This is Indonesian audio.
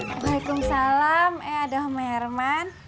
wa'alaikumsalam eh ada om herman